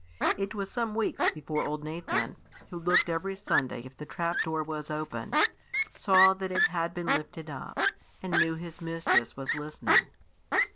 It was some weeks before old Nathan, who looked every Sunday if the trap door was open, saw that it had been lifted up, and knew his mistress was listening.